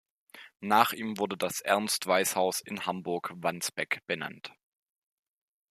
Nach ihm wurde das "Ernst-Weiß-Haus" in Hamburg-Wandsbek benannt.